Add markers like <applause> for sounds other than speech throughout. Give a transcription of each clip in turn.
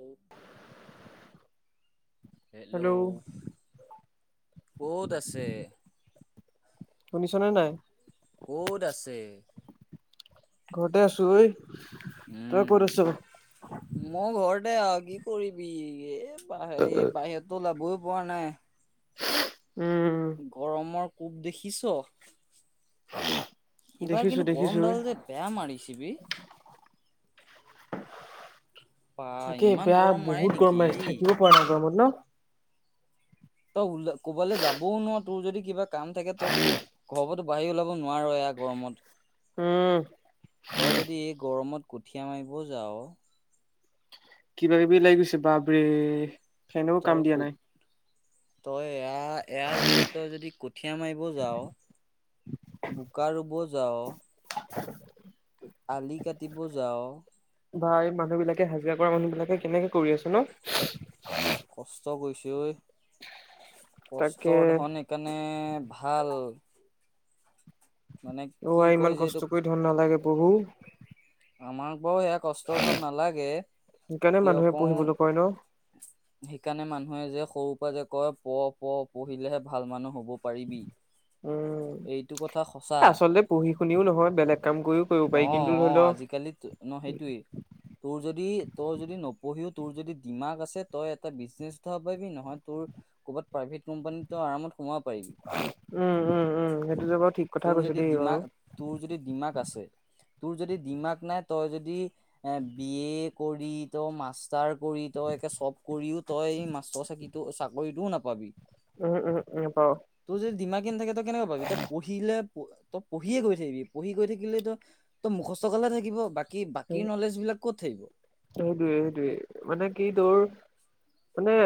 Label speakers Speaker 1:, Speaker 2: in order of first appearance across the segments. Speaker 1: আৰু হেল্ল' ক'ত আছে
Speaker 2: শুনিছ নাই
Speaker 1: ক'ত আছে
Speaker 2: ঘৰতে আছো ঐ তই
Speaker 1: উম
Speaker 2: ক'ত আছ
Speaker 1: দে আৰু কি কৰিবি এই বাহিৰততো যাবলৈ পৰা নাই
Speaker 2: উ
Speaker 1: গৰমৰ কোব দেখিছ এইবাৰ
Speaker 2: দেখিছো
Speaker 1: কিন্তু
Speaker 2: দেখিছো
Speaker 1: গৰম
Speaker 2: ঐ।
Speaker 1: ডাল যে বেয়া মাৰিছে বা
Speaker 2: তাকে
Speaker 1: ইমান
Speaker 2: বেয়া
Speaker 1: গৰম মাৰে
Speaker 2: বহুত
Speaker 1: নেকি
Speaker 2: গৰম মাৰিছে
Speaker 1: এই
Speaker 2: থাকিব পৰা নাই গৰমত ন
Speaker 1: তই ওল ক'বালৈ যাবও নোৱাৰ তোৰ যদি কিবা কাম থাকে তই ঘৰৰ পৰা আগবাঢ়ি ওলাব নোৱাৰ এয়া গৰমত
Speaker 2: উম
Speaker 1: তই যদি এই গৰমত কঠীয়া মাৰিবও যাওঁ
Speaker 2: কিবা কিবি লাগি গৈছে বাবৰে ফেনওো
Speaker 1: তই
Speaker 2: কাম দিয়া
Speaker 1: ক
Speaker 2: নাই
Speaker 1: তই এয়া এয়া ৰ'দত তই যদি কঠিয়া মাৰিব যাও বোকা ৰুব যাও
Speaker 2: <inaudible>
Speaker 1: আলি কাটিব যাওঁ
Speaker 2: বা এই মানুহ বিলাকে হাজিৰা কৰা মানুহ বিলাকে কেনেকে কৰি আছো ন
Speaker 1: কষ্ট কৰিছে ঐ
Speaker 2: তাকে
Speaker 1: কষ্টৰ ধন সেইকাৰণে ভাল মানে
Speaker 2: অ
Speaker 1: কি কয়
Speaker 2: ইমান
Speaker 1: যে এইটোক
Speaker 2: কষ্ট কৰি ধন নালাগে প্ৰভু
Speaker 1: আমাক বাৰু সেয়া কষ্টৰ ধন নালাগে
Speaker 2: সেইকাৰণে
Speaker 1: কিয়
Speaker 2: মানুহে পঢ়িবলৈ কয় ন?
Speaker 1: আকৌ সেইকাৰণে মান মানুহে যে সৰুৰ পৰাই যে কয় পঢ় পঢ় পঢ়িলেহে ভাল মানুহ হ'ব পাৰিবি
Speaker 2: উম
Speaker 1: এইটো কথা সঁচা
Speaker 2: আচলতে পঢ়ি শুনিও নহয় বেলেগ কাম কৰিও কৰিব
Speaker 1: অ',
Speaker 2: পাৰি কিন্তু ধৰি
Speaker 1: অ',
Speaker 2: লও
Speaker 1: আজিকালি ন সেইটোয়ে তোৰ যদি তৌ যদি নপঢ়িও তোৰ যদি দিমাক আছে তই এটা বিজনেছ উঠাব পাৰিবি নহয় তোৰ ক'ৰবাত প্ৰাইভেট কোম্পানী আৰামত সোমাব পাৰিবি
Speaker 2: উম উম উম সেইটোতো বাৰু ঠিক কথা
Speaker 1: তোৰ
Speaker 2: কৈছো
Speaker 1: যদি
Speaker 2: দেই বাৰু
Speaker 1: ডিমাক তোৰ যদি ডিমাক আছে তোৰ যদি ডিমাগ নাই তই যদি এ বি কৰি তই মাষ্টাৰ কৰি তই চব কৰিও তই মাষ্টৰ চাকিটো চাকৰিতটোও নাপাবি
Speaker 2: উম উম উম নাপাওঁ
Speaker 1: ডিমাকে নাথাকে তই কেনেকে পাবি তই পঢ়িলে তই পঢ়িয়ে গৈ থাকিবি পঢ়ি গৈ থাকিলে তো ত মুখস্থ গালহে থাকিব বাক কি বাকী নলেজ বিলাক ক'ত থাকিব
Speaker 2: সেইটোৱে সেইটোৱে মানে কি তোৰ মানে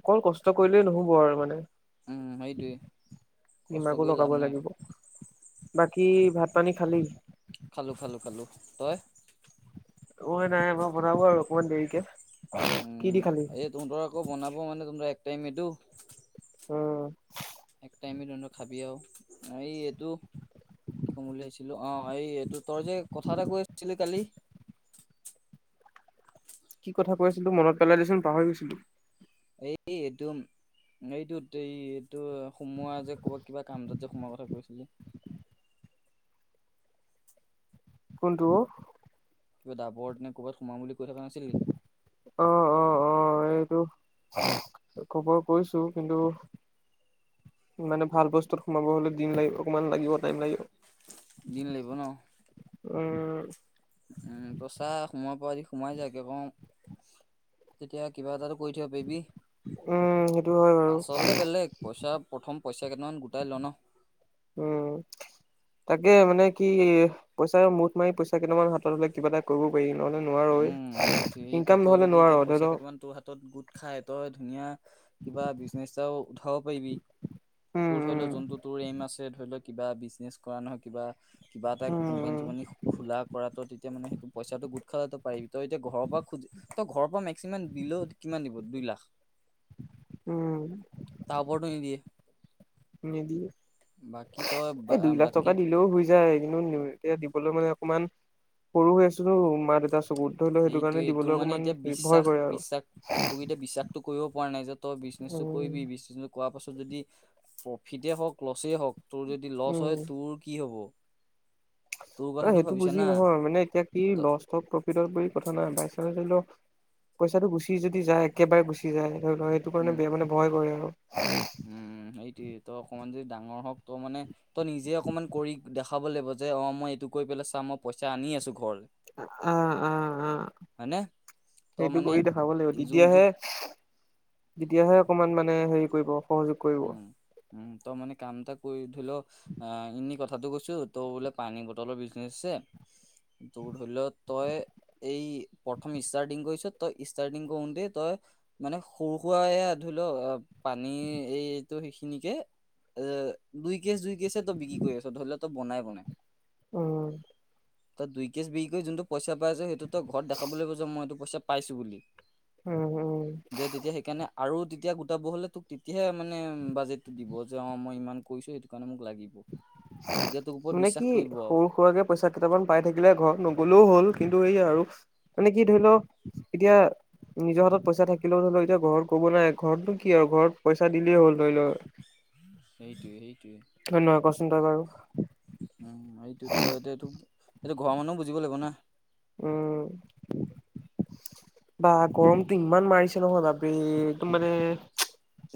Speaker 2: অকল কষ্ট কৰিলেই নহব আৰু মানে
Speaker 1: উম সেইটোৱে কষ্ট
Speaker 2: দিমাকো
Speaker 1: কৰি লাভ
Speaker 2: লগাব
Speaker 1: নাই
Speaker 2: লাগিব বাকী ভাত পানী খালী
Speaker 1: খালোঁ খালোঁ খালোঁ তই
Speaker 2: মই নাই আমাৰ বনাব আৰু অকমান দেৰিকে কি দি
Speaker 1: উম
Speaker 2: খালি
Speaker 1: এই তহঁতৰ আকৌ বনাব মানে তোমাৰ এক টাইম এইটো
Speaker 2: অ
Speaker 1: এক টাইমে তহঁত খাবি আও এই এইটো কি ক'ম বুলি ভাবিছিলো অ এই এইটো তই যে কথা এটা কৈ আছিলি কালি
Speaker 2: <inaudible> কি কথা কৈ আছিলোঁ মনত পেলাই দেচোন পাহৰি গৈছিলো
Speaker 1: এ এইটো এইটোত এই এইটো সোমোৱা যে ক'ৰবাত কিবা কামটো এটাত যে সোমোৱাৰ কথা কৈছিলি
Speaker 2: <inaudible> কোনটো অ?
Speaker 1: কিবা ডাবৰত নে ক'ৰবাত সোমাম বুলি কৈ থকা নাছিলি?
Speaker 2: টো খবৰ কৰিছো কিন্তু মানে ভাল বস্তুত সোমাব হ'লে দিন লাগিব অকমান লাগিব টাইম লাগিব।
Speaker 1: দিন লাগিব ন'।
Speaker 2: উ,
Speaker 1: উম তই চা সোমোৱাৰ পৰা যদি সোমাই যায় কি কওঁ তেতিয়া কিবা এটাটো কৰি থাকিব পাৰিবি
Speaker 2: উম সেইটো হয় বাৰু
Speaker 1: পাছলে বেলেগ পইচা প্ৰথম পইচা কেইটামান গোটাই ল' ন?
Speaker 2: উম তাকে মানে কি পইচা মুঠ মাৰি পইচা কেইটামান হাতত হ'লে কিবা এটা কৰিব পাৰিম নহ'লে নোৱাৰো ৱৈ
Speaker 1: উম, সেইটোৱে -সেইটোৱে তওঁ যদি এতিয়া পইচা কেইটামান তোৰ হাতত গোট খাই তই ধুনীয়া কিবা বিজনেচ এটাও উঠাব পাৰিবি তোৰ ধৰি লওক
Speaker 2: উম
Speaker 1: যোনটো তোৰ এইম আছে ধৰি লওক কিবা বিজনেছ কৰা নহয় কিবা কিবা এটা
Speaker 2: উম
Speaker 1: কোম্পানী
Speaker 2: উম
Speaker 1: চোম্পানী খোলা কৰাটো তেতিয়া মানে সেইটো পইচাটো গোট তইতো পাৰিবি তইএতিয়া ঘৰৰ পৰা খোজ তই ঘৰৰ পৰা মেক্সিমাম দিলো কিমান দিব দুই লাখ?
Speaker 2: উম উম
Speaker 1: তা ওপৰটো নিদিয়ে?
Speaker 2: নিদিয়ে
Speaker 1: বাকী তই
Speaker 2: এই দুই লাখ টকা
Speaker 1: বাকী
Speaker 2: দিলেও হৈ যায় কিন্তু এতিয়া হলো মানে অকমান সৰু হৈ আছোঁটো মা দেউতাই
Speaker 1: সেইটোয়ে তোৰ মানে এতিয়া
Speaker 2: ভয় কৰে আৰু
Speaker 1: বিশ্বাস-বিশ্বাস তোক এতিয়া বিশ্বাসটো কৰিব পৰা নাই যে তই বিজনেছ
Speaker 2: উম
Speaker 1: চকৰিবি বিজনেচনত কী কৰিবি কোৱা পাছত যদি প্ৰফিতে হওঁক লচ হওক তোৰ যদি লছ হয়
Speaker 2: উম
Speaker 1: তোৰ কি হ'ব? তোৰ
Speaker 2: ন'
Speaker 1: কথাটো
Speaker 2: সেইটো
Speaker 1: ভাবিছা
Speaker 2: বুজি
Speaker 1: না
Speaker 2: নহয় মানে এতিয়া কি
Speaker 1: ত
Speaker 2: লছক প্ৰফিটৰজিএফগক কথা নাই বাই চান ধৰি লও পইচাটো গুচি যদি যায় একেবাৰে গুচি যায়। সেইটো, সেইটো
Speaker 1: উম
Speaker 2: কাৰণে বেয়া মানে ভয় কৰে আৰু।
Speaker 1: উম, সেইটোয়ে। তই অকমান যদি ডাঙৰ হওক ত' মানে, তই নিজে অকমান কৰি দেখাব লাগিব। যে অ, মই এইটো কৰি পেলাই চা মই পইচা আনি আছোঁ ঘৰ
Speaker 2: আ, আ, আ।
Speaker 1: হয়নে তই
Speaker 2: সেইটো
Speaker 1: মানে
Speaker 2: কৰি দেখাব লাগিব তেতিয়াহে,
Speaker 1: যোনটোক
Speaker 2: তেতিয়াহে অকমান মানে হেৰি কৰিব। সহযোগ কৰিব
Speaker 1: উম, উম, তই মানে কাম এটা কৰি ধৰি লওঁ, আহ এনে কথা কথাটো কৈছো, ত' বোলে পানী বটলৰ বিজনেচ আছে। তোৰ ধৰি লও তই এই প্ৰথম ষ্টাৰ্টিং কৰিছ, তই ষ্টাৰ্টিং কৰোঁতে তই মানে সৰু সুৰা এয়া ধৰি লও, পানী এইটো সেইখিনিকে এ দুই কেছ, দুই কেছে তই বিক্ৰী কৰি আছ, ধৰি লওঁ তই বনাই বনাই।
Speaker 2: উম।
Speaker 1: তই দুই কেছ বিক্ৰি কৰি যোনটো পইচা পাইছ, সেইটো তই ঘৰত দেখাব লাগিব যে মই এইটো পইচা পাইছো বুলি।
Speaker 2: উম উম
Speaker 1: যে তেতিয়া সেইকাৰণে আৰু তেতিয়া গোটাব হলে তোক তেতিয়াহে মানে বাজেটো দিব। যে অ মই ইমান কৰিছো সেইটো কাৰণে মোক লাগিব। তেতিয়া তোৰ ওপৰত
Speaker 2: মানে কি
Speaker 1: বিশ্বাস কৰিব আও
Speaker 2: সৰু সুৰাকে পইচা কেইটামান পাই থাকিলে, ঘৰত নগলেও হ'ল। কিন্তু এইয়া আৰু মানে কি ধৰি লও, এতিয়া নিজৰ হাতত পইচা থাকিলেও ধৰি লও এতিয়া ঘৰত ক'ব নাই, ঘৰতটো কি আৰু ঘৰত পইচা দিলেই হ'ল ধৰি লওঁ।
Speaker 1: সেইটোৱে সেই টোৱে
Speaker 2: হয় নহয় কচোন তই বাৰু
Speaker 1: উম এইটোত এতিয়া থুপ এইটো ঘৰ মানুহ বুজিব লাগিব না।
Speaker 2: উম। বা গৰমটো ইমান মাৰিছে নহয় বাপৰে একদম মানে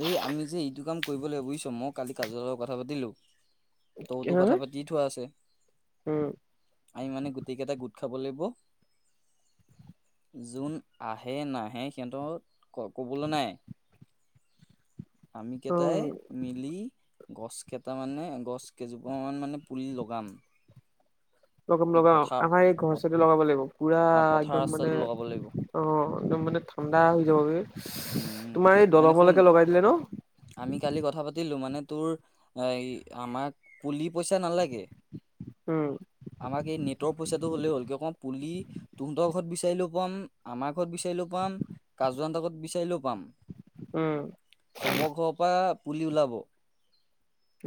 Speaker 1: এই আমি যে এইটো কাম কৰিব লাগিব বুজিছ মই কালি কাজ লগত কথা পাতিলো। তৌতো
Speaker 2: হা
Speaker 1: কথা পাতি থোৱা আছে,
Speaker 2: উম
Speaker 1: আমি মানে গোটেই কেইটা গোট খাব লাগিব। যোন আহে নাহে সিহঁতক ক'বলে নাই। আমি কেইটাই
Speaker 2: উম
Speaker 1: মিলি গছ কেইটা মানে গছ কেইজোপামান মানে পুলি লগাম।
Speaker 2: লগাম
Speaker 1: এই
Speaker 2: লগাম
Speaker 1: পথাৰ
Speaker 2: আমাৰ এই ঘৰ
Speaker 1: পথ-
Speaker 2: ওচৰতে লগাব লাগিব পুৰা
Speaker 1: অ পথাৰ
Speaker 2: একদম মানে
Speaker 1: ৰাস্তাটো লগাব লাগিব
Speaker 2: অ একদম মানে ঠাণ্ডা হৈ বে
Speaker 1: উম উম
Speaker 2: তোমাৰ এই
Speaker 1: মানে শুন
Speaker 2: দলংলৈকে লগাই দিলে ন।
Speaker 1: আমি কালি কথা পাতিলো মানে তোৰ আমাক পুলি পইচা নালাগ
Speaker 2: উম।
Speaker 1: আমাক এই নেটৰ পইচাটো হ'লেই হ'ল কি কম পুলি তহঁতৰ ঘৰত বিচাৰিলো পম আমাৰ ঘৰত বিচাৰিলো পাম কাজুহনত ঘৰত বিচাৰিলেও পাম।
Speaker 2: উম
Speaker 1: চব ঘৰৰ পৰা পুলি ওলাব।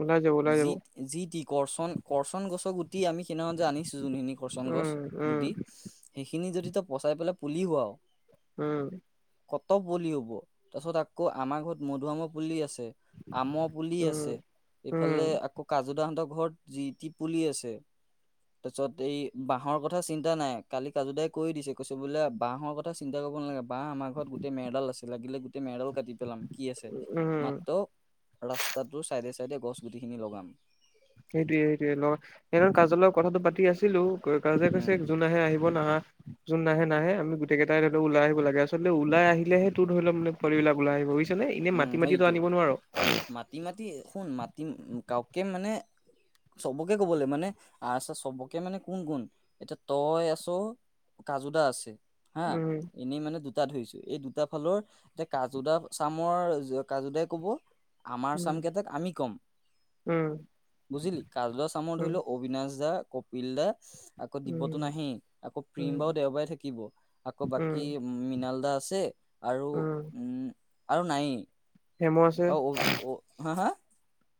Speaker 2: ওলাই যাব ওলাই যাব
Speaker 1: যি যি টি কৰচন কৰচন গছক উটি আমি যে আনিছো যোনখিনি কৰচন গছ
Speaker 2: উম,
Speaker 1: গুটি
Speaker 2: উম,
Speaker 1: সেইখিনি যদি তই পচাই পেলাই পুলি হোৱাও
Speaker 2: উম।
Speaker 1: ক'ত পুলি হ'ব তাৰ পিছত আকৌ আমাৰ ঘৰত মধুআমৰ পুলি আছ তে, আমৰ বুলি আছে
Speaker 2: উম,
Speaker 1: এইফালে
Speaker 2: উম,
Speaker 1: আকৌ কাজু দাহতক ঘৰত যি টি পুলি আছে।
Speaker 2: <inaudible>
Speaker 1: তাৰ পিছত এই বাঁহৰ কথা চিন্তা নাই, কালি কাজু দাই কৈ দিছে কৈছে বোলে বাঁহৰ কথা চিন্তা কৰিব নালাগে। বাঁহ আমাৰ ঘৰত গোটই মেডেল আছে লাগিলে গোটেই মেডেল দি পেলাম কি আছে
Speaker 2: উম,
Speaker 1: মাত্ৰ ৰাস্তাটো চাইডে চাইডে গছ গুটিখিনি লগাম।
Speaker 2: সেইটোয়ে, সেইটোৱে লগত সেই কাজল ৰ কথাটো পাতি আছিলোঁ। কাজজে
Speaker 1: উম
Speaker 2: কৈছে যোন আহে আহিব নাহা যোন নাহে, নাহে আমি গোটেই কেইটাই ওলাই আহিব লাগে আচলতে ওলাই আহিলেহে তোৰ ধৰি ল পোৱালি বিলাক ওলাই আহিব বুজিছা। এনে
Speaker 1: উম
Speaker 2: মাটি মাটতিটো আনিব নোৱাৰোঁ।
Speaker 1: মাতিম গাউকে মানে চবকে ক'বলৈ মানে আচ্ছা চবকে মানে কোন, কোন এতিয়া তই আছ কাজু দা আছে, হা
Speaker 2: উম,
Speaker 1: এনেই মানে দুটা ধৰিছো, এই দুটা ফালৰ যে কাজু দা চামৰ কোতাই ক'ব আমাৰ চাম
Speaker 2: উম,
Speaker 1: কেইটাক আমি ক'ম
Speaker 2: উম,
Speaker 1: বুজিলি কাজলা চামত
Speaker 2: উম,
Speaker 1: ধৰি লও অবিনাশ দা, কপিল দা আকৌ দিবতো
Speaker 2: উম,
Speaker 1: নাহেই আকৌ প্ৰিম
Speaker 2: উম,
Speaker 1: বাও দেওবাৰে থাকিব আকৌ
Speaker 2: উম,
Speaker 1: বাকী মৃণাল দা আছে আৰু,
Speaker 2: উম,
Speaker 1: আৰু নাই
Speaker 2: হেম
Speaker 1: অ', হা, হা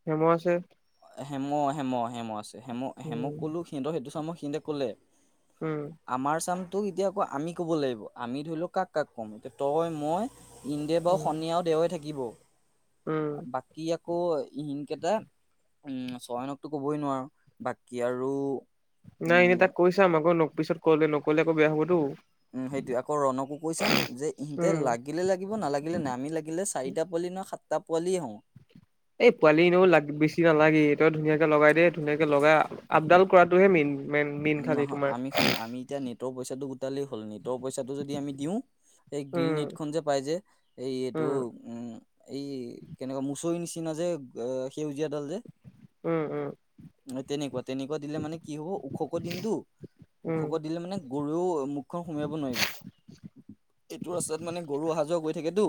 Speaker 2: হেমহ আছে
Speaker 1: হেম, হেম, হেম, আছে হেমু, হেমু
Speaker 2: উম,
Speaker 1: কলো সিহঁতেইটো চাম মোক সিহঁতে ক'লে
Speaker 2: উম,
Speaker 1: আমাৰ চাম তোক এতিয়া আকৌ আমি ক'ব লাগিব আমি ধৰি লও কাক, কাক ক'ম এতিয়া তই মই ইন্দে বাৰু
Speaker 2: উম,
Speaker 1: শনিয় আৰু দেওাই থাকিব
Speaker 2: উম,
Speaker 1: বাকী আক ই হিনতে উম চয়নকতো কবই নোৱাৰো বাকী আৰু
Speaker 2: নাই এনেই
Speaker 1: উম
Speaker 2: তাক কৈ চাম আকৌ পিছত কলে নকলে আকৌ বেয়া হ'বতো
Speaker 1: উ সেইটো আকৌ ৰণকো কৈ চাম যে ইহঁতে
Speaker 2: উম।
Speaker 1: লাগিলে লাগিব নালাগিলে নাই আমি লাগিলে চাৰিটা পোৱালি নয় সাত তপলি হওঁ
Speaker 2: এই পোৱালি এনেও লাগ বেছি নালাগি এ ধুনীয়াকে লগাই দেই ধুনীয়াকে লগাই আপডাল কৰাটোহে মেইন মেইন মেইন খালি
Speaker 1: নহয়
Speaker 2: তোমাৰ
Speaker 1: আমি শুন আমি এতিয়া নেটৰ পইচাটো গোটালেই হ'ল নেটৰ পইচাটো যদি আমি দিওঁ গ্ৰীণ নেট
Speaker 2: উম
Speaker 1: খন যে পাই যে এই এইটো
Speaker 2: উম
Speaker 1: উম এই কেনেকুৱা মুচৰি নিচি না যে সেউ যে
Speaker 2: উম উম
Speaker 1: তেনেকুৱা, তেনেকুৱা দিলে মানে কি হ'ব ও দিনটো
Speaker 2: উম
Speaker 1: ওখক দিলে মানে গৰুও মুখখন সোমোৱাব নোৱাৰিব এইটো ৰাস্তাত মানে গৰু অহা যোৱা কৰি থাকেতো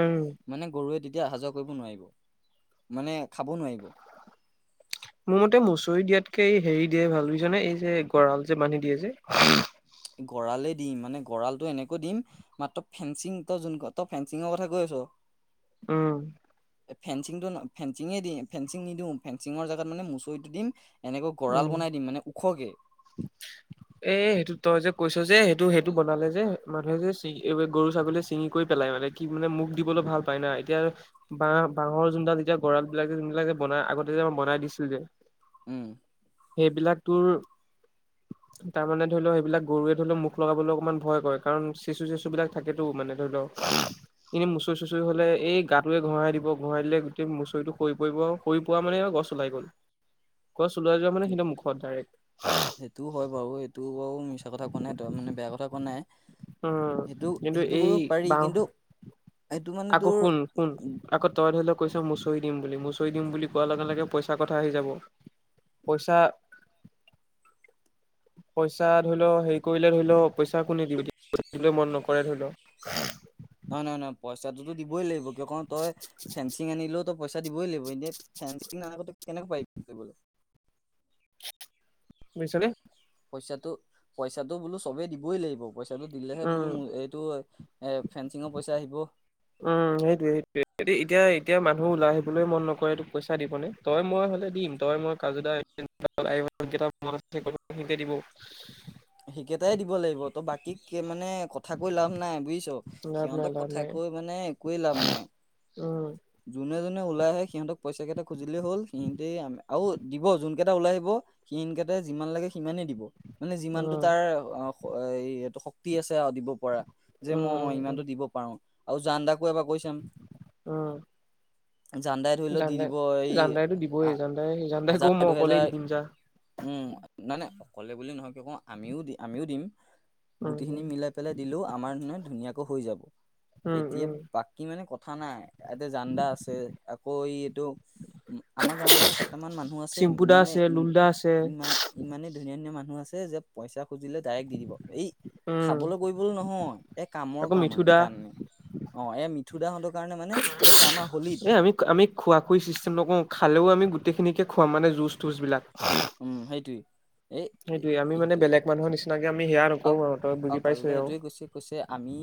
Speaker 2: উম
Speaker 1: মানে গৰুৱে এতিয়া অহা যোৱা কৰিব নোৱাৰিব মানে খাব নোৱাৰিব
Speaker 2: মোৰ মতে মুচৰি দিয়াতকে এই হেৰি দিয়ে ভাল বুজিছ নে এই যে গঁৰাল যে বান্ধি দিয়ে যে
Speaker 1: গঁৰা়লে দিম মানে গঁৰালটো এনেকৈ দিম মাত্ৰই ফেঞ্চিং তই যোন তই ফেঞ্চিঙৰ কথা কৈ আছ
Speaker 2: উম।
Speaker 1: ফেঞ্চিংটো ফেঞ্চিঙে দি ফেঞ্চিং নিদিওঁ ফেঞ্চিঙৰ জেগাত মানে মুচৰিটো দিম এনেকৈ গঁৰাল
Speaker 2: উম,
Speaker 1: বনাই দিম মানে ওখকে
Speaker 2: এ সেইটো তই যে কৈছ যে সেইটো সেইটো বনালে যে মানুহে যে চি গৰু ছাগলীয়ে ছিঙি কৰি পেলাই মানে কি মানে মোক দিব ভাল পাই না এতিয়া বাঁহ বাহৰ যোনডাল এতিয়া গঁৰাল বিলাক যোনবিলাক বনাই আগতে যে বনাই দিছিল যে
Speaker 1: উম।
Speaker 2: সেইবিলাক তৰ তাৰমানানে ধৰি লও সেইবিলাক গৰুৱে ধৰি লওক মুখ লগাবলৈ অকণমান ভয় কৰে কাৰণ চেচু চেচু বিলাক থাকেতো মানে ধৰি লও উম এনেই মুচৰি চুচৰি হলে এই গাটোোৱে ঘঁৰাই দিব ঘঁৰাই দিলে গোট ম মুচৰিটো হৈৰি পৰিব সৰি প মানে গছ ওলাই গ'ল গছ ওলাই যোৱা মানে সিহৰ মুখত ডাইৰেক্ট
Speaker 1: সেইটোও হয় বাৰু সেইটো বাৰু মিছা কথা কোৱা নাই তই মানে বেয়া কথা কোৱা নাই
Speaker 2: উম
Speaker 1: সেইটো
Speaker 2: কিন্তু
Speaker 1: সেইটো
Speaker 2: এই
Speaker 1: কৰিব পাৰি
Speaker 2: বাওঁ
Speaker 1: কিন্তু সেইটো মানে
Speaker 2: আকৌ
Speaker 1: তোৰ
Speaker 2: শুন শুন আকৌ তই ধৰিলেও কৈছ ম মুচৰি দিম বুলি মচৰি দিম বুলি কোৱাৰ লগে লগে পইচাৰ কথা আহি যাব পইচা পইচা ধৰি লও হেৰি কৰিলে ধৰি লও পইচা কো দিলৈ মন নকৰে ধৰি লওক
Speaker 1: নহয় নহয় নহয় পইচাটোতো দিবই লাগিব কিয় ক তই ফেঞ্চিং আনিলো পইচা দিবই লাগিব এনে ফেিং ন কেনেকুৱা পাৰি ব
Speaker 2: বুজিছনে
Speaker 1: পইচাটো পইচাটো বোলো চবেই দিবই লাগিব পইচা পইচটো দিলেহে বোলো
Speaker 2: উম
Speaker 1: এইটো এ ফেসিঙৰ পইচা আহিব
Speaker 2: উম সেইটোয়ে সেইটোয়ে এতিয়া এতিয়া মানু ন ওলাই আহিবলৈ মন নকৰে এইটো পইচা দিব নে তই মই হ'লে দিম তই মই কাজু দা মিতে দিব
Speaker 1: সেইিকেইটাই দিব লাগিব ত বাকী মান মানে কথা কৈ লাভ নাই বুজিছ
Speaker 2: লাভ নাই
Speaker 1: সিহঁতক
Speaker 2: লাভ
Speaker 1: কথা
Speaker 2: নাই
Speaker 1: কৈ মানে একোৱে লাভ নাই
Speaker 2: উম,
Speaker 1: জুনে ওলাই আহে সিহঁতক পইচা কেইটা খুজিলেই হ'ল সিহতে আৰু দিব যোনকেইটা ওল আহ সিহকেইটা যিমান লাগে সিমানেই দিব মানে যিমানতটো
Speaker 2: উম,
Speaker 1: তাৰ অ এইটো শক্তি আছে আৰু দিব পৰা যে
Speaker 2: উম,
Speaker 1: মই
Speaker 2: উম, উম,
Speaker 1: ইমানতো দিব পাৰো আৰু জান দাকো এবাৰ কৈ চাম
Speaker 2: উম,
Speaker 1: জানদাই ধৰি লওক দি
Speaker 2: জানদাই
Speaker 1: দিব এই
Speaker 2: জানদাইতো দিবই জানদাই জানদাই কও
Speaker 1: হাজাৰ
Speaker 2: মই অকলেই
Speaker 1: দুহেজাৰ
Speaker 2: দি দিম যা
Speaker 1: উম নাই নাই অকলে বুলি নহয় কি কওঁ আমিও দি আমিও দিম
Speaker 2: উম,
Speaker 1: গুটিখিনি
Speaker 2: উম,
Speaker 1: মিলাই পেলাই দিলেও আমাৰ নে ধুনীয়াকৈ হৈ যাব
Speaker 2: উম,
Speaker 1: তেতিয়া
Speaker 2: উম,
Speaker 1: বাকী মানে কথা কথা নাই ইয়াতে জান্দা আছে আকৌ এই এইটো উ আমাৰ গাঁওৰ মানে কেইটামান মানুহ আছে
Speaker 2: চিম্পু দা
Speaker 1: মানে
Speaker 2: আছে
Speaker 1: ই
Speaker 2: লুল দা আছে
Speaker 1: ইমান ইমানেই ধুনীয়া ধুনীয়া মানুহ মানুহ আছে যে পইচা খুজিলে ডাইৰেক্ট দি দিব এই
Speaker 2: উম,
Speaker 1: খাবলৈ কৰিবলৈ নহয় এই কামৰ
Speaker 2: আকৌ
Speaker 1: কাম
Speaker 2: মিথু দা
Speaker 1: কামে অ এ মি
Speaker 2: এ আমি আমি খোৱা খোৱা চিষ্টেম নক খালেও আমি গোটেইখিনিকে খোৱা মানে জুচ তটুচ বিলাক
Speaker 1: উম সেইটি
Speaker 2: সেইয়ে আমিানে বেলেগ মানুহ নিচিনাক আমি সেয়া
Speaker 1: অ
Speaker 2: নকৰো আৰু তই
Speaker 1: অ
Speaker 2: বুজি
Speaker 1: কাজু
Speaker 2: পাইছই
Speaker 1: দা
Speaker 2: আৰু।
Speaker 1: এইটোোৱে কৈছে কৈছে আমি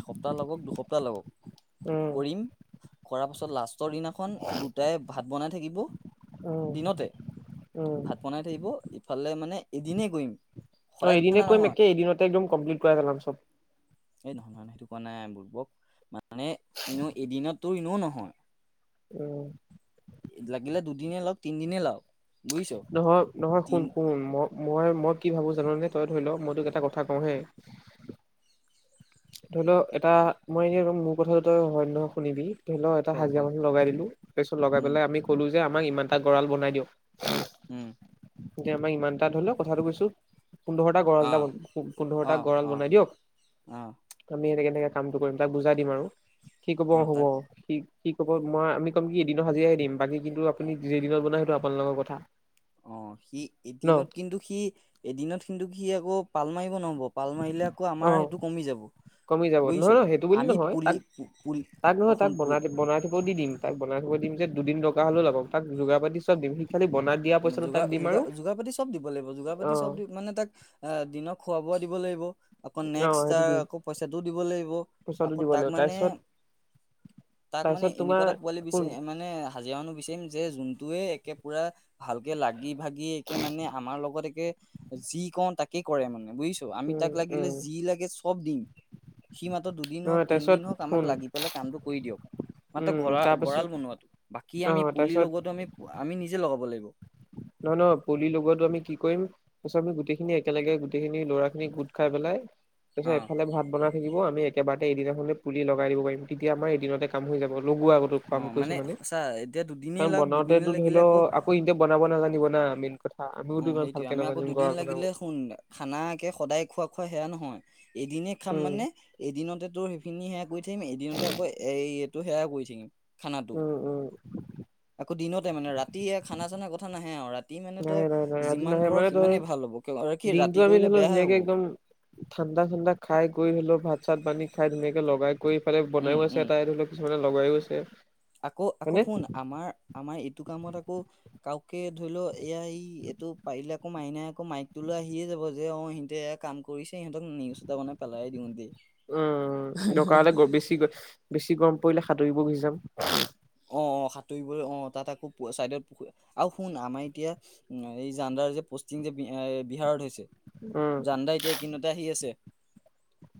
Speaker 1: এসপ্তাহ লগক দুসপ্তাহ লগক
Speaker 2: উম,
Speaker 1: কৰিম কৰ পাছত লাষ্ট পষ্টৰ দিনাখন দুটাই ভাত বনাই থাকিব
Speaker 2: উম,
Speaker 1: দিনতে
Speaker 2: উম,
Speaker 1: ভাত বনাই থাকিব ইফালে মানে এদিনেই কৰিম সদায় খ না নহয়
Speaker 2: এইদিনতে একদম কমপ্লিট কৰাই পেলাম চব
Speaker 1: এই নহয় নয় সেইটো কোৱা নাই বৰ্বক মানে এনেো এদিনততো ইনেোও নহয়
Speaker 2: উম
Speaker 1: লাগিলে দুদিনেই লাওক তিনিদিনেই লাওক
Speaker 2: নহয় নহয় শুন শুন মই মই মই কি ভাবো জানোনে ধৰি লও মইতোক এটা কথা কওঁ হে ধৰি লও এটা মই এনে মোৰ কথাটো তই হয় নহয় শুনিবি ঢলৰ
Speaker 1: ক
Speaker 2: এটা
Speaker 1: ক
Speaker 2: হাজিৰা মানুহ লগাই দিলো তাৰপিছত লগাই
Speaker 1: উম
Speaker 2: পেলাই আমি ক'লো যে আমাক ইমানটা গঁৰাল বনাই দিিয়ওঁ
Speaker 1: উম
Speaker 2: এয়া আমাৰ ইমান তাত হ'ল কথাটো কৈছোঁ। পোন্ধৰটা গঁড়াল
Speaker 1: অ
Speaker 2: এটা
Speaker 1: অ
Speaker 2: পোন্ধৰটা গঁড়াল
Speaker 1: অ
Speaker 2: বনাই দিয়ক।
Speaker 1: অ
Speaker 2: আমি এনেকে এনেকে কামটো কৰিম তাক বুজাই দিম আৰু সি ক'ব
Speaker 1: অ
Speaker 2: হ'ব,
Speaker 1: তাক
Speaker 2: হ'ব কি ক'ব মই আমি কম কি এদিনৰ হাজিৰা দিম বাকী কিন্তু আপুনি যেইদিনত বনাই সেইটো আপোনালোকৰ কথা।
Speaker 1: অ', সি
Speaker 2: ন
Speaker 1: এদিনত কিন্তু সি এদিনত কিন্তু সি আকৌ পাল মাৰিব ন। পাল মাৰিলে আকৌ
Speaker 2: অ
Speaker 1: আমাৰ সেইটো কমি যাব।
Speaker 2: কমি যাব
Speaker 1: বুজিছ
Speaker 2: নহয়, নহয় সেইটো বুলি
Speaker 1: আমি
Speaker 2: নহয়
Speaker 1: পুলি
Speaker 2: তাক
Speaker 1: পুলি
Speaker 2: তাক নহয় তাক
Speaker 1: শুন
Speaker 2: বনাই, বনাই থিব দি দিম তাক বনাই দিম যে দুদিন দৰকাৰ হ'লেও লাগক তাক যোগাৰ পাতি চব দিম খালি বনাই দিয়া পইচাটো তাক
Speaker 1: যোগাৰ,
Speaker 2: দিম আৰু
Speaker 1: যোগাৰ, যোগাৰ পাতি চব দিব লাগিব যোগাৰ
Speaker 2: অ
Speaker 1: পাতি চব দি মানে তাক আহ দিনক খোৱা বোৱা দিব লাগিব। আকৌ
Speaker 2: অ
Speaker 1: নেক্সট
Speaker 2: সেইটো
Speaker 1: তাৰ
Speaker 2: দিম
Speaker 1: আকৌ পইচাটো দিব লাগিব
Speaker 2: পইচাটো
Speaker 1: আকৌ
Speaker 2: দিব
Speaker 1: তাক
Speaker 2: লাগিব
Speaker 1: মানে।
Speaker 2: তাৰপিছত
Speaker 1: তাক মানে
Speaker 2: তাৰপিছত তোমাৰ
Speaker 1: এনেকুৱা এটা পোৱালি
Speaker 2: শুন
Speaker 1: বিচাৰি মানে হাজিৰা মানুহ বিচাৰিম যে যোন। তোয়ে একে পুৰা ভালকে লাগি ভাগি একে মানে আমাৰ লগত একে যি কওঁ তাক। কেই কৰে মানে বুজিছো আমি
Speaker 2: উম
Speaker 1: তাক লাগিলে
Speaker 2: উম
Speaker 1: যি লাগে চব দিম। সি মাত্ৰ দুদিন হওঁক
Speaker 2: নহয় তাৰপিছত
Speaker 1: তিনিদিন হওঁক আমাক
Speaker 2: শুন
Speaker 1: লাগি পেলাই কামটো কৰি দিয়ক। মাত্ৰ
Speaker 2: উম
Speaker 1: গৰা
Speaker 2: তাৰপিছত
Speaker 1: গৰাল বনোৱাটো বাকী
Speaker 2: অ
Speaker 1: আমি
Speaker 2: তাৰপিছত
Speaker 1: পুলি লগোৱাটো আমি আমি নিজে লগাব লাগিব।
Speaker 2: নহয় নহয় পুলি লগতো আমি কি কৰিম তাৰপিছত আমি গোটেইখিনি একেলগে গোটেইখিনি ল'ৰা খিনি গোট খাই পেলাই।
Speaker 1: অ
Speaker 2: তাৰপিছত এফালে ভাত বনাই থাকিব আমি একেবাৰতে এদিনাখনে পুলি লগাই দিব পাৰিম তেতিয়া আমাৰ এদিনতে কাম হৈ যাব। লগোৱা আগতো
Speaker 1: অ
Speaker 2: কাম কৰিছে মানে
Speaker 1: চা এতিয়া দুদিনেই
Speaker 2: কাৰণ
Speaker 1: লাগ দুদিনে
Speaker 2: বনাওতেতো ধৰি
Speaker 1: লাগিলে
Speaker 2: লও আকৌ এতিয়া বনাব নালাগে।
Speaker 1: অহ সেইটোয়ে আমি আকৌ
Speaker 2: নাজানিম
Speaker 1: দুদিন
Speaker 2: গৰা বনাব
Speaker 1: লাগিলে শুন খানাকে সদায় খোৱা খোৱা সেয়া নহয়। এদিনে খাম
Speaker 2: উম
Speaker 1: মানে এদিনতে তোৰ সেইখিনি সেয়া কৰি থাকিম এদিনতে আকৌ এই। তোৰ সেয়াই কৰি থাকিম। খানাটো
Speaker 2: উম উম।
Speaker 1: তে মানে ৰাতিয়ে খানা চানা কথা নাহে আও ৰাতি মানে
Speaker 2: নাই
Speaker 1: তই।
Speaker 2: নাই নাই আজি
Speaker 1: যিমান
Speaker 2: নাহে
Speaker 1: কৰ
Speaker 2: মানে ধৰি
Speaker 1: সিমানেই ভাল হ'ব কি ৰাতি
Speaker 2: দিনতটো আমি
Speaker 1: কৰিলে
Speaker 2: ধৰি লও
Speaker 1: বেয়াহে
Speaker 2: ধুনীয়াকে
Speaker 1: হ'ব
Speaker 2: একদম। ঠাণ্ডা ঠাণ্ডা খাই কৈ হলো। আৰু ভাত চাত বান্ধি খাই ধুনীয়াকে লগাই কৰিফালে
Speaker 1: উম
Speaker 2: বনাইও আছে
Speaker 1: উম
Speaker 2: এটা ধৰি লওঁক কিছুমানে লগাইও আছে।
Speaker 1: আকৌ আকৌ
Speaker 2: মানে
Speaker 1: শুন আমাৰ আমাৰ এইটো কামত আকৌ। কওকে ধৰি লও এয়া ই এইটো পাৰিলে আকৌ মাইনাই আকৌ মাইকটো লৈ আহিয়ে যাব যে অহ সিহঁতে। এক কাম কৰিছে সিহঁতক নিউজ এটা বনাই পেলাই দিওঁ দেই।
Speaker 2: উম দৰকাৰ হলে গৈ বেছিকৈ বেছি গৰম পৰিলে সাঁতুৰিব গুচি যাম।
Speaker 1: অহ সাঁতুৰিবলৈ অহ তাত আকৌ চাইডৰ পু আও শুন আমাৰ এই জান্দাৰ যে। যি যে বি বিহাৰত হৈছে
Speaker 2: উম
Speaker 1: জান্দা এতিয়া কিনতে আহি আছে।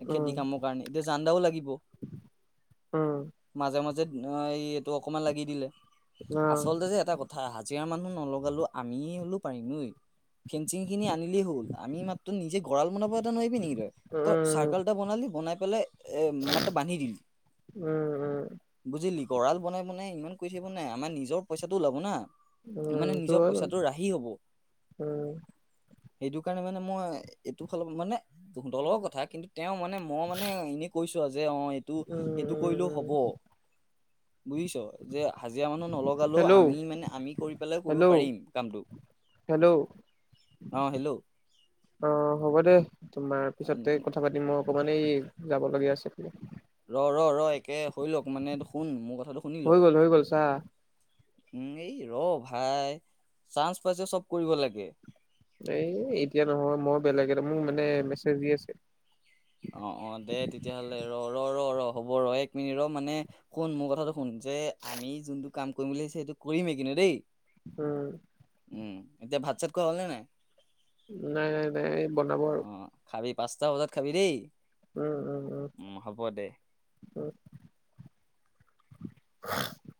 Speaker 1: খেতি
Speaker 2: উম
Speaker 1: কামৰ কাৰণে এতিয়া জানদাও লাগিব।
Speaker 2: উম
Speaker 1: মাজে মাজে, ন এই এইটো অকমান লাগি দিলে
Speaker 2: অ
Speaker 1: আচলতে যে এটা কথা হাজিৰা মানুহ। নলগালো আমিয়ে হ'লে পাৰিমেই, ফেঞ্চিং খিনি আনিলেই হ'ল আমি মাত্ৰ নিজেই গৰাল বনাব, নোৱাৰিবি নেকি ত তই
Speaker 2: উম
Speaker 1: চাৰ্কল এটা বনালি বনাই পেলাই। এ মাত্ৰ বান্ধি দিল
Speaker 2: উম উম
Speaker 1: বুজিলি গঁৰাল। বনাই বনাই ইমান কৈ থাক নাই আমাৰ নিজৰ পইচাটো ওলাব না।
Speaker 2: উম
Speaker 1: মানে
Speaker 2: সেইটো
Speaker 1: নিজৰ
Speaker 2: হয় বাৰু
Speaker 1: পইচাটো ৰাহি হব
Speaker 2: উম
Speaker 1: সেইটো কাৰণে মানে, মই এইটো ফালে মানে দলৰ কথা কিন্তু, তেওঁ মানে মই মানে এনে কৈছো আৰু যে অ এইটো
Speaker 2: উম
Speaker 1: এইটো কৰিলেও
Speaker 2: উম
Speaker 1: হব। বুজিছ যে হাজিৰা মানুহ। নলগালো
Speaker 2: হেল্ল'
Speaker 1: আমি মানে আমি কৰি পেলাই কৰিব
Speaker 2: হেল্ল'
Speaker 1: পাৰিম কামটো।
Speaker 2: হেল্ল'
Speaker 1: অ হেল্ল,
Speaker 2: অ হ'ব দে তোমাৰ পিছতে কথা পাতিম মই অকমানেই যাব লগীয়া আছে।
Speaker 1: ৰ ৰ ৰ একে হৈ লওক মানে শুন মোৰ কথা
Speaker 2: হৈ গ'ল হৈ গ'ল চা।
Speaker 1: উম এই ৰ ভাই চান্স পাইছে চব কৰিব লাগে।
Speaker 2: এই এতিয়া নহয় মই বেলেগ এটা মোক মানে মেছেজ দি আছে।
Speaker 1: অ অ দে তেতিয়াহ'লে ৰ ৰ ৰ ৰ হ'ব ৰ এক মিনিট ৰ মানে শুন মোৰ কথাটো, শুন যে আমি যোনটো কাম কৰিম বুলিছো সেইটো কৰিমেই কিন্তু দেই।
Speaker 2: উম,
Speaker 1: উম এতিয়া ভাত চাত খোৱা হ'লেনে নাই।
Speaker 2: নাই নাই নাই এই বনাব আৰু।
Speaker 1: পাঁচতা বজাত খাবি দেই।
Speaker 2: উম উম উম
Speaker 1: হ'ব দে।
Speaker 2: উম। <unintelligible>